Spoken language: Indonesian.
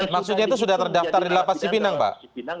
maksudnya itu sudah terdaftar di lapas cipinang pak